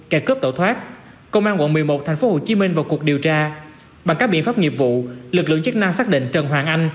kẻ cướp tổ thoát công an quận một mươi một tp hcm vào cuộc điều tra bằng các biện pháp nghiệp vụ lực lượng chức năng xác định trần hoàng anh